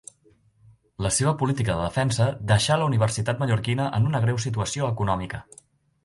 La seva política de defensa deixà la universitat mallorquina en una greu situació econòmica.